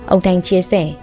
ông thanh chia sẻ